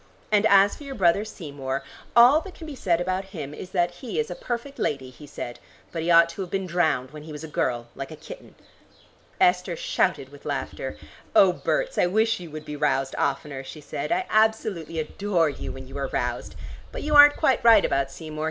"And as for your brother Seymour, all that can be said about him is that he is a perfect lady," he said, "but he ought to have been drowned when he was a girl, like a kitten." Esther shouted with laughter. "Oh, Berts, I wish you would be roused oftener," she said; "I absolutely adore you when you are roused. But you aren't quite right about Seymour.